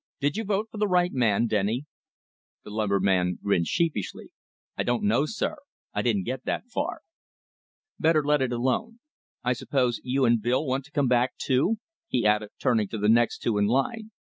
Did you vote for the right man, Denny?" The lumberman grinned sheepishly. "I don't know, sir. I didn't get that far." "Better let it alone. I suppose you and Bill want to come back, too?" he added, turning to the next two in the line.